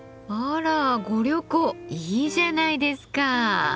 あらご旅行いいじゃないですか。